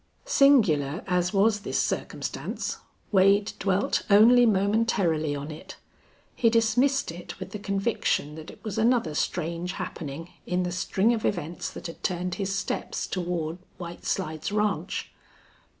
Singular as was this circumstance, Wade dwelt only momentarily on it. He dismissed it with the conviction that it was another strange happening in the string of events that had turned his steps toward White Slides Ranch.